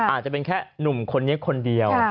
อาจจะเป็นแค่หนุ่มคนนี้คนเดียว